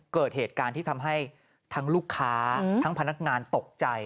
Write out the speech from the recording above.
เกิดเหตุการณ์ที่ทำให้ทั้งลูกค้าทั้งพนักงานตกใจ